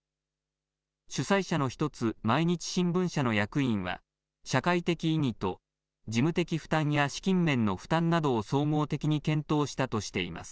主催者の一つ、毎日新聞社の役員は、社会的意義と事務的負担や資金面の負担などを総合的に検討したとしています。